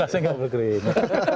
saya gak perlu keringat